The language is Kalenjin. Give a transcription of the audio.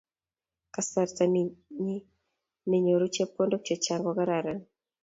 Kasarta nyin nenyoru chepkondok che chang ko kararan